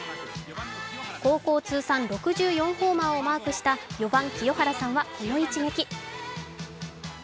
高校通算６４ホーマーをマークした４番・清原さんはこの一撃。